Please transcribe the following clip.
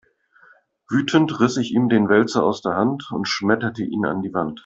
Wütend riss ich ihm den Wälzer aus der Hand und schmetterte ihn an die Wand.